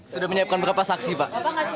sudah menyiapkan berapa saksi pak